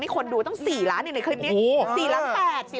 นี่คนดูต้อง๔ล้านในคลิปนี้